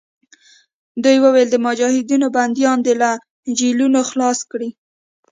دوی ویل د مجاهدینو بندیان دې له جېلونو خلاص کړي.